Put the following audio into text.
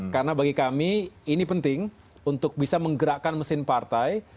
karena bagi kami ini penting untuk bisa menggerakkan mesin partai